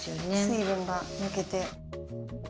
水分が抜けて。